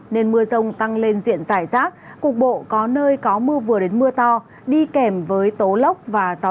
nên mưa rông tăng lên diện giải rác cục bộ có nơi có mưa vừa đến mưa to đi kèm với tố lốc và gió giật mạnh